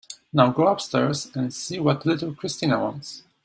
Now go upstairs and see what little Christina wants.